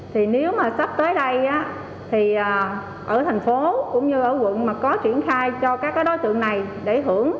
thì nếu mà sắp tới đây thì ở thành phố cũng như ở quận mà có triển khai cho các đối tượng này để hưởng